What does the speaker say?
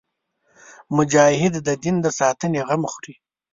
مجاهد د دین د ساتنې غم خوري.